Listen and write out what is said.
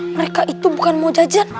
mereka itu bukan mau jajan